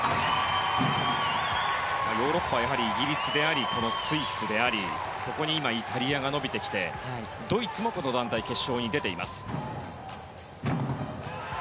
ヨーロッパはイギリスであり、スイスでありそこに今、イタリアが伸びてきてドイツもこの団体決勝に出ています。